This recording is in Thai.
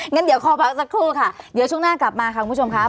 งั้นเดี๋ยวขอพักสักครู่ค่ะเดี๋ยวช่วงหน้ากลับมาค่ะคุณผู้ชมครับ